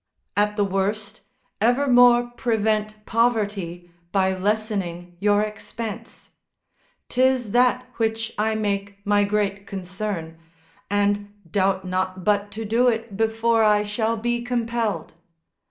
At the worst, evermore prevent poverty by lessening your expense; 'tis that which I make my great concern, and doubt not but to do it before I shall be compelled.